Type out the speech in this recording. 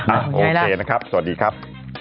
โอเคนะครับสวัสดีครับ